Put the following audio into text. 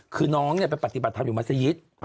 คือน้องไปปฏิบัติธรรมอยู่มัศยิต